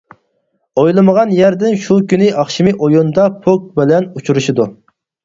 ئويلىمىغان يەردىن شۇ كۈنى ئاخشىمى ئويۇندا پوك بىلەن ئۇچرىشىدۇ.